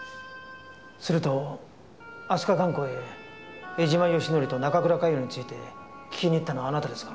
すると飛鳥観光へ江島義紀と中倉佳世について聞きに行ったのはあなたですか？